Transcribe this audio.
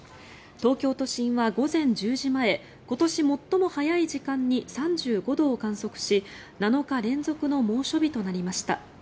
東京都心は午前１０時前今年最も早い時間に３５度を観測し７日連続の猛暑日となりました。